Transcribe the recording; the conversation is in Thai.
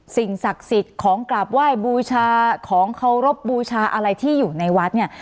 สิ่งศักดิ์สิทธิ์ของกราบไหว้บูชาของเคารพบูชาอะไรที่อยู่ในวัดเนี่ย